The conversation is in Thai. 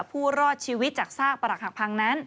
ผู้รอดชีวิตจากซากประหลักหักพังนั้น